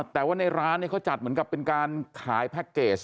แต่ว่าในร้านเขาจัดเหมือนกับเป็นการขายแพ็คเกจ